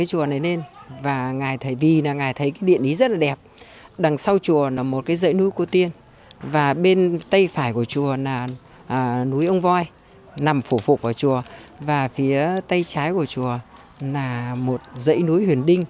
chùa vĩnh nghiêm tồn mãi mãi tồn nghiêm